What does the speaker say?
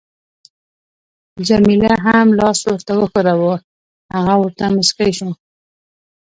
جميله هم لاس ورته وښوراوه، هغه ورته مسکی شو.